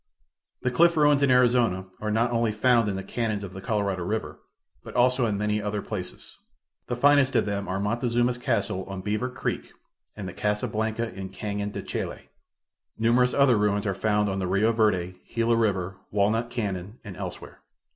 The cliff ruins in Arizona are not only found in the canons of the Colorado river, but also in many other places. The finest of them are Montezuma's Castle on Beaver creek, and the Casa Blanca in Canon de Chelly. Numerous other ruins are found on the Rio Verde, Gila river, Walnut Canon and elsewhere.